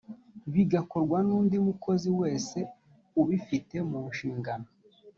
bigakorwa n’undi mukozi wese ubifite mu nshingano